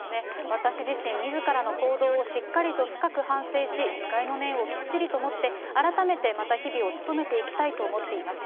私自身、みずからの行動をしっかりと深く反省し、自戒の念をきっちりと持って、改めてまた日々を務めていきたいと思っています。